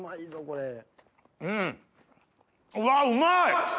うわうまい！